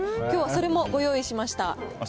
きょうはそれもご用意しました。